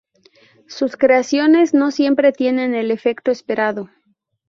Sus creaciones no siempre tienen el efecto esperado.